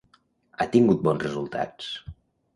Ha tingut bons resultats?